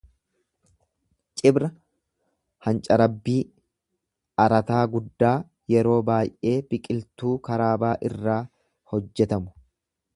Cibra hancarabbii, arataa guddaa yeroo baay'ee biqiltuu karaabaa irraa hojjetamu